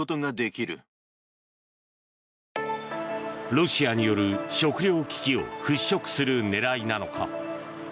ロシアによる食糧危機を払しょくする狙いなのか。